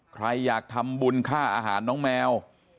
ใครอยากทำบุญค่าอาหารน้องแมว